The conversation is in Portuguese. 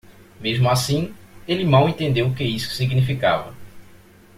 Mesmo assim, ele mal entendeu o que isso significava.